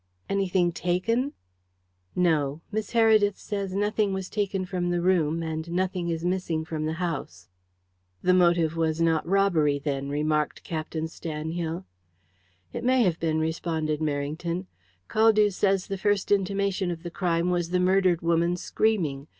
"Anything taken?" "No. Miss Heredith says nothing was taken from the room, and nothing is missing from the house." "The motive was not robbery then," remarked Captain Stanhill. "It may have been," responded Merrington. "Caldew says the first intimation of the crime was the murdered woman screaming.